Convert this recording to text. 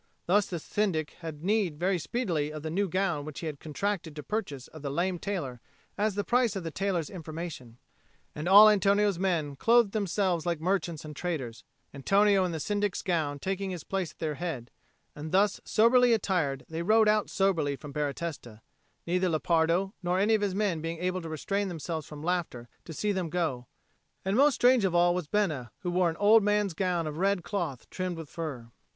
Thus the Syndic had need very speedily of the new gown which he had contracted to purchase of the lame tailor as the price of the tailor's information. And all Antonio's men clothed themselves like merchants and traders, Antonio in the Syndic's gown taking his place at their head; and thus soberly attired, they rode out soberly from Baratesta, neither Lepardo nor any of his men being able to restrain themselves from laughter to see them go; and most strange of all was Bena, who wore an old man's gown of red cloth trimmed with fur.